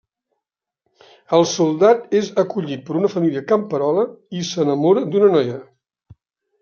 El soldat és acollit per una família camperola i s'enamora d'una noia.